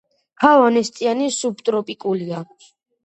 ჰავა ნესტიანი სუბტროპიკულია.